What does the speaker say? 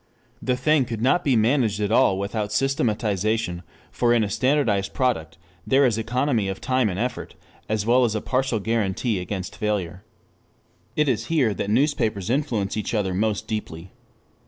The thing could not be managed at all without systematization, for in a standardized product there is economy of time and effort, as well as a partial guarantee against failure. It is here that newspapers influence each other most deeply.